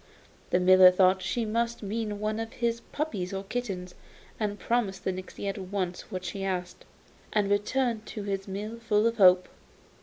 The miller thought she must mean one of his puppies or kittens, so promised the nixy at once what she asked, and returned to his mill full of hope.